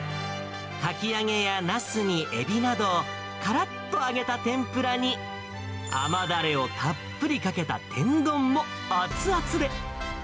かき揚げやなすにエビなど、からっと揚げた天ぷらに、甘だれをたっぷりかけた天丼も熱々で。